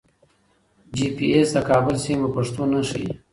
جي پي ایس د کابل سیمې په پښتو نه ښیي.